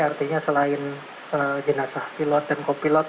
artinya selain jenazah pilot dan kopilot